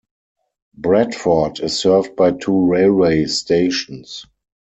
Bradford is served by two railway stations.